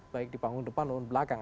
baik di panggung depan maupun belakang